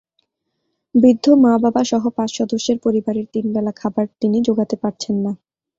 বৃদ্ধ মা-বাবাসহ পাঁচ সদস্যের পরিবারের তিন বেলা খাবার তিনি জোগাতে পারছেন না।